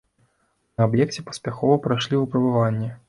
На аб'екце паспяхова прайшлі выпрабаванні.